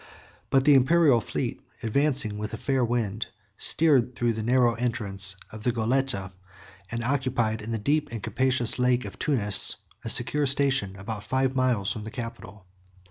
But the Imperial fleet, advancing with a fair wind, steered through the narrow entrance of the Goletta, and occupied, in the deep and capacious lake of Tunis, a secure station about five miles from the capital.